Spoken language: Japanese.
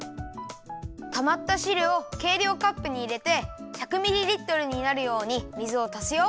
たまったしるをけいりょうカップにいれて１００ミリリットルになるように水をたすよ。